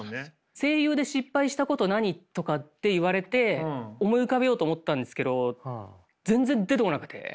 「声優で失敗したこと何？」とかって言われて思い浮かべようと思ったんですけど全然出てこなくて。